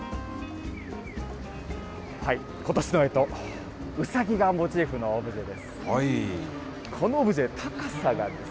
ことしのえと、うさぎがモチーフのオブジェです。